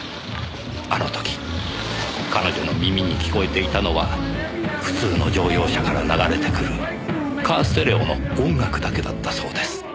あの時彼女の耳に聞こえていたのは普通の乗用車から流れてくるカーステレオの音楽だけだったそうです。